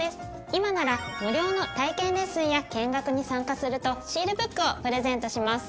今なら無料の体験レッスンや見学に参加するとシールブックをプレゼントします。